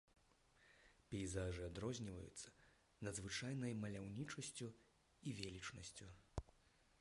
Пейзажы адрозніваюцца надзвычайнай маляўнічасцю і велічнасцю.